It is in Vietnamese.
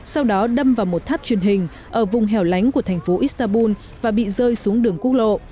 sau đó đâm vào một tháp truyền hình ở vùng hẻo lánh của thành phố istanbul và bị rơi xuống đường quốc lộ